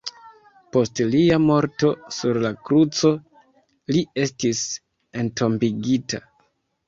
Post lia morto sur la kruco, li estis entombigita.